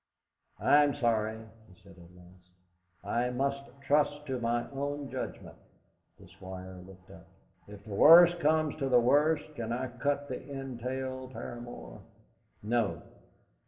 "I am sorry," he said at last, "I must trust to my own judgment." The Squire looked up. "If the worst comes to the worst, can I cut the entail, Paramor?" "No."